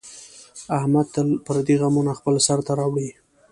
احمد تل پردي غمونه خپل سر ته راوړي.